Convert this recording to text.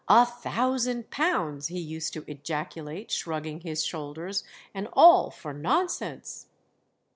"A thousand pounds!" he used to ejaculate, shrugging his shoulders, "and all for nonsense."